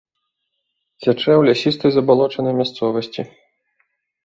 Цячэ ў лясістай забалочанай мясцовасці.